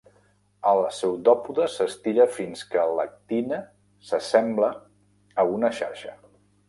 El pseudòpode s'estira fins que l'actina s'assembla a una xarxa.